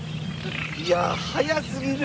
いや速すぎる。